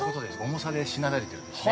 重さで、しなだれてるんですね。